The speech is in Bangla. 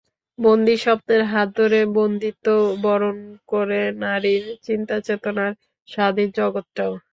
বন্দী স্বপ্নের হাত ধরে বন্দিত্ব বরণ করে নারীর চিন্তা-চেতনার স্বাধীন জগৎটাও।